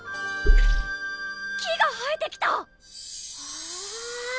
木が生えてきた！